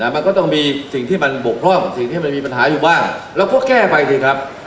มันก็ต้องมีสิ่งที่มันบกพร่องกับสิ่งที่มันมีปัญหาอยู่บ้างเราก็แก้ไปสิครับ